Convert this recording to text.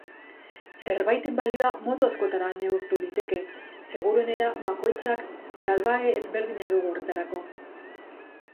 Zerbaiten balioa modu askotara neurtu liteke, seguruenera bakoitzak galbahe ezberdina dugu horretarako.